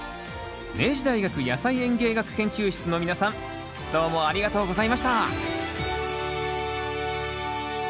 明治大学野菜園芸学研究室の皆さんどうもありがとうございました！